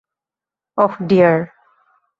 ওহ, deer!